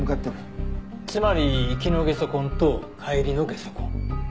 つまり行きのゲソ痕と帰りのゲソ痕。